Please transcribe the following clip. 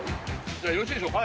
じゃあよろしいでしょうか